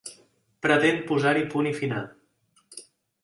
Pretén posar-hi punt i final.